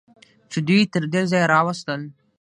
چې دوی یې تر دې ځایه راوستل.